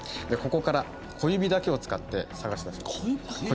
でここから小指だけを使って捜し出します。